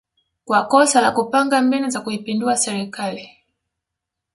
kwa kosa la kupanga mbinu za kuipindua serikali